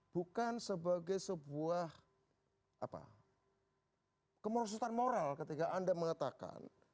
bukan sebagai sebuah apa kemorsesan moral ketika anda mengatakan